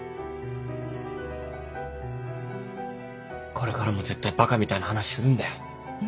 これからも絶対バカみたいな話するんだよ。